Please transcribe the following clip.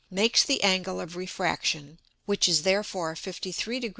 makes the Angle of Refraction, which is therefore 53 deg.